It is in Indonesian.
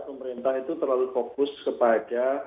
pemerintah itu terlalu fokus kepada